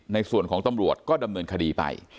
ในส่วนของตำรวจก็ดำเนินคดีไป